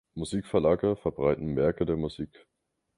Musikverlage verbreiten Werke der Musik.